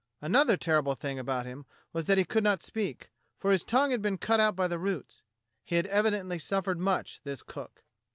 Another terrible thing about him was that he could not speak, for his tongue had been cut out by the roots. He had evidently suffered much, this cook.